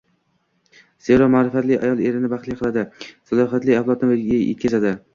Zero, ma’rifatli ayol erini baxtli qiladi, salohiyatli avlodni voyaga yetkazadi.